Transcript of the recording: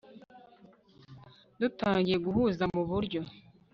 dutangiye guhuza muburyo